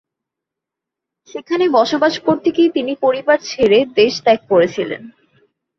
সেখানে বসবাস করতে গিয়ে তিনি পরিবার ছেড়ে দেশ ত্যাগ করেছিলেন।